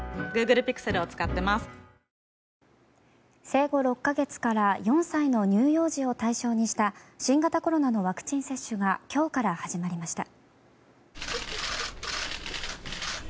生後６か月から４歳の乳幼児を対象にした新型コロナのワクチン接種が今日から始まりました。